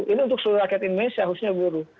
ini untuk seluruh rakyat indonesia khususnya buruh